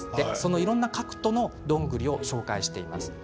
いろんな殻斗のどんぐりを紹介しています。